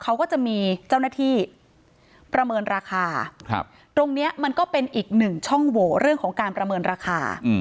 เขาก็จะมีเจ้าหน้าที่ประเมินราคาตรงนี้มันก็เป็นอีกหนึ่งช่องโหวเรื่องของการประเมินราคา